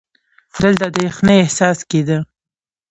دلته د یخنۍ احساس کېده.